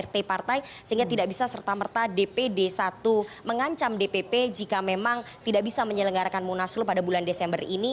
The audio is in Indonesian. sehingga tidak bisa serta merta dpd satu mengancam dpp jika memang tidak bisa menyelenggarakan munaslup pada bulan desember ini